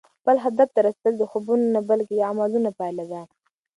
خپل هدف ته رسېدل د خوبونو نه، بلکې د عملونو پایله ده.